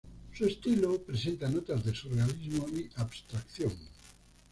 Su estilo presenta notas de surrealismo y abstracción.